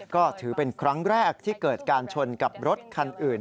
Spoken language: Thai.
ก็ถือเป็นครั้งแรกที่เกิดการชนกับรถคันอื่น